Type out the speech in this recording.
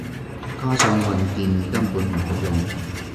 加上混電根本唔好用